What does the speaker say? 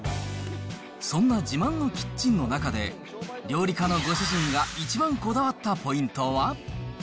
そんな自慢のキッチンの中で、料理家のご主人が一番こだわったポイントは。